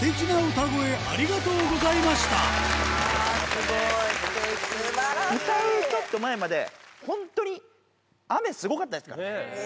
歌うちょっと前まで本当に雨スゴかったんですから。